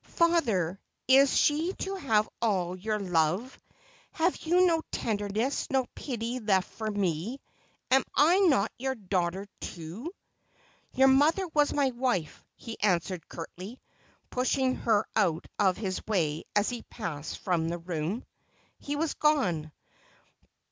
' Father, is she to have all your love ? Have you no tenderness, no pity left for me ? Am I not your daugh ter too ?'' Your mother was my wife,' he answered curtly, pushing her out of his way as he passed from the room. He was gone.